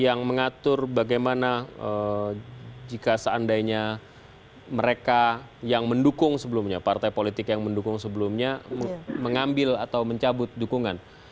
yang mengatur bagaimana jika seandainya mereka yang mendukung sebelumnya partai politik yang mendukung sebelumnya mengambil atau mencabut dukungan